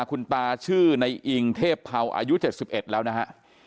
คุณตาชื่อไนอิงเทพเภาอายุเจ็ดสิบเอ็ดแล้วนะฮะ